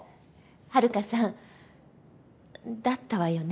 ハルカさんだったわよね？